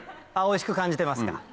おいしく感じてますか？